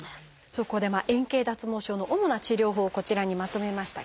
そこで円形脱毛症の主な治療法をこちらにまとめました。